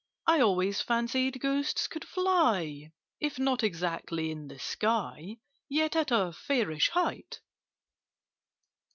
I always fancied Ghosts could fly— If not exactly in the sky, Yet at a fairish height."